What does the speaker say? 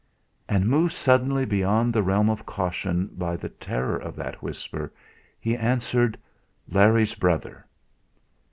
And, moved suddenly beyond the realm of caution by the terror in that whisper, he answered: "Larry's brother."